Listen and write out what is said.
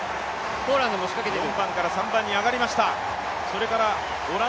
ポーランドも仕掛けてくる。